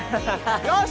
よし！